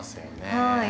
はい。